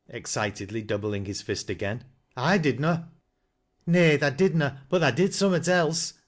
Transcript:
excitedly doubling hia list again. " I didna." " Nay, tha didna, but tha did sun.mat else.